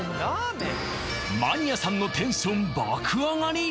マニアさんのテンション爆上がり